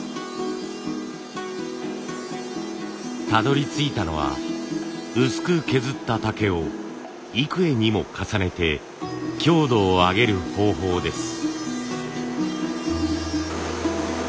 たどりついたのは薄く削った竹を幾重にも重ねて強度を上げる方法です。